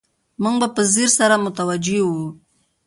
موږ به په ځیر سره متوجه وو.